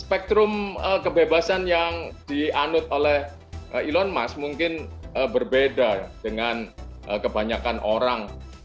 spektrum kebebasan yang dianut oleh elon musk mungkin berbeda dengan kebanyakan orang